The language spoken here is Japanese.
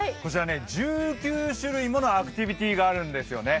１９種類ものアクティビティがあるんですよね。